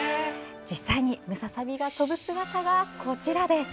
実際にムササビが飛ぶ姿がこちらです。